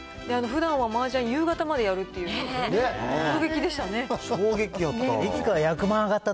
ふだんはマージャン、夕方までやるっていう、衝撃やった。